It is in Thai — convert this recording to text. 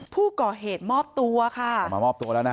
ผู้ก่อเหตุมอบตัวค่ะออกมามอบตัวแล้วนะฮะ